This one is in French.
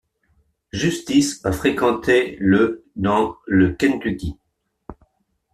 Justice a fréquenté le dans le Kentucky.